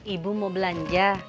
ibu mau belanja